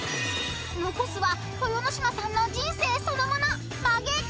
［残すは豊ノ島さんの人生そのものまげか？］